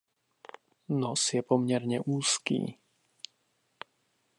Nos je poměrně úzký.